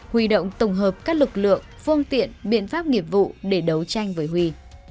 huy động tổng hợp các lực lượng phương tiện biện pháp nghiệp vụ để đấu tranh với huy